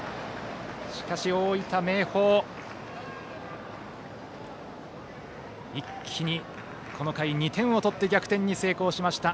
しかし、大分・明豊一気にこの回、２点を取って逆転に成功しました。